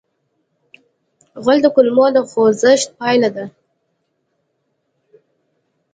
غول د کولمو د خوځښت پایله ده.